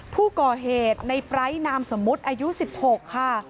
ผู้ก่อเหตุในปลายนามสมมุติอายุ๑๖ค่ะ